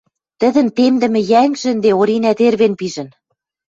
Тӹдӹн темдӹмӹ йӓнгжӹ ӹнде Оринӓ тервен пижӹн.